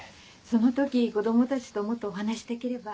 その時子供たちともっとお話できれば。